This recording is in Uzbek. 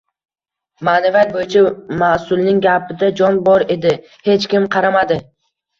Ma’naviyat bo‘yicha mas’ulning gapida jon bor edi – hech kim qaramadi.